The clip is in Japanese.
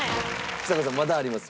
ちさ子さんまだあります。